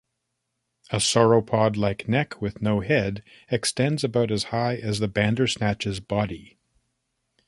A sauropod-like neck, with no head, extends about as high as the bandersnatch's body.